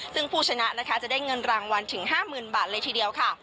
ซึ่งผู้ชนะจะได้เงินรางวัลถึงห้าหมื่นบาทเลยทีเดียว